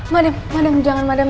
madam madam jangan madam